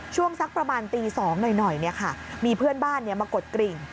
ช่วงสักประมาณตี๒หน่อยมีเพื่อนบ้านมากดกริ่ง